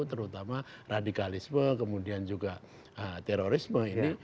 terutama radikalisme kemudian juga terorisme ini